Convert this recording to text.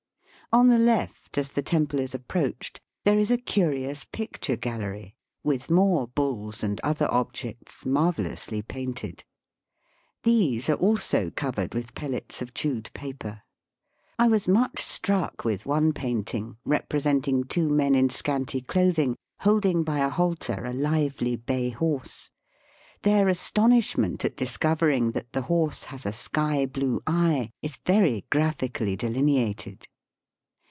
On the left, as the temple is approached, there is a curious picture gallery, with more buUs and other objects marvellously painted. These also are covered with pellets of chewed paper. I was much struck with one painting representing two men in scanty clothing hold ing by a halter a lively bay horse. Their astonishment at discovering that the horse has a sky blue eye is very graphically deline ated.